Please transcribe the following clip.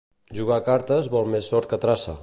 Jugar a cartes vol més sort que traça.